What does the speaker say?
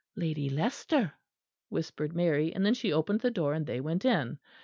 "Lady Leicester," whispered Mary; and then she opened the door and they went in.